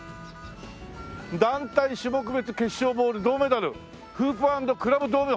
「団体種目別決勝ボール銅メダルフープ＆クラブ銅メダル」ほら。